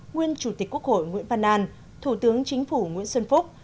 nguyên chủ tịch quốc hội nguyễn văn an thủ tướng chính phủ nguyễn xuân phúc